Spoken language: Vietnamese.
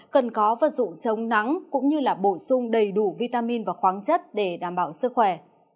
cần có vật dụng chống nắng cũng như bổ sung đầy đủ vitamin và khoáng chất để đảm bảo sức khỏe